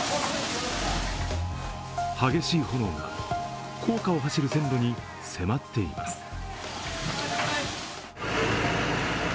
激しい炎が、高架を走る線路に迫っています。